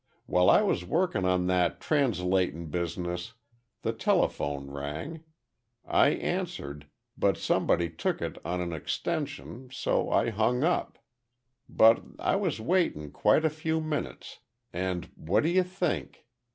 While I was workin' on that translatin' business, the telephone rang. I answered, but somebody took it on an extension, so I hung up. "But I was waitin' quite a few minutes, and, what do you think?